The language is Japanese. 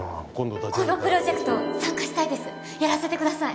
このプロジェクト参加したいですやらせてください